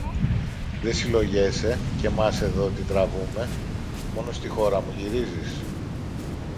Δε συλλογιέσαι και μας εδώ τι τραβούμε, μόνο στη χώρα μου γυρίζεις;